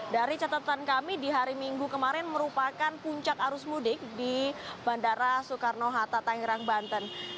dari catatan kami di hari minggu kemarin merupakan puncak arus mudik di bandara soekarno hatta tangerang banten